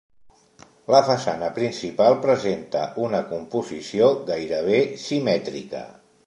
La façana principal presenta una composició gairebé simètrica.